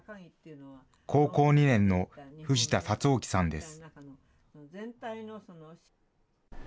高校２年の藤田龍起さんです。